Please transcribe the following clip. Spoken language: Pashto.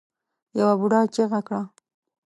يوه بوډا چيغه کړه.